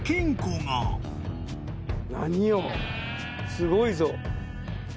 すごいぞ。